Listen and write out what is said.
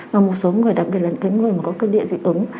mà một số người đặc biệt là những cái người mà có cân địa dị ứng